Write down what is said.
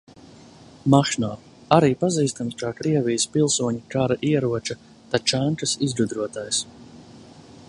Mahno arī pazīstams kā Krievijas pilsoņu kara ieroča – tačankas izgudrotājs.